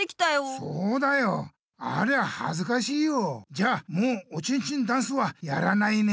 じゃあもうおちんちんダンスはやらないね。